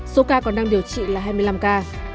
số ca còn đang điều trị là hai mươi năm ca